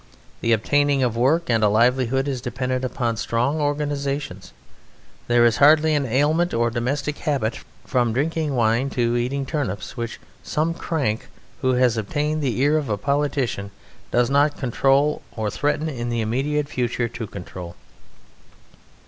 The obtaining of work and a livelihood is dependent upon strong organizations. There is hardly an ailment or a domestic habit, from drinking wine to eating turnips, which some crank who has obtained the ear of a politician does not control or threaten in the immediate future to control."